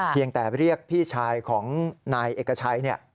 เพียงแต่เรียกพี่ชายของนายเอกชัย